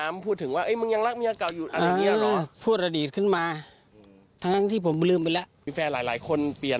มาถึงตอนนี้แล้วเนี่ย